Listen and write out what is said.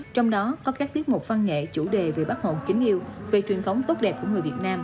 trong đó có các tiết mục phan nghệ chủ đề về bác hộ chính yêu về truyền thống tốt đẹp của người việt nam